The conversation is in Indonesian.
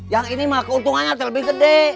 yang ini mah keuntungannya lebih gede